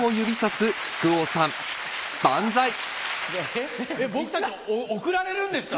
えっ僕たちも送られるんですか？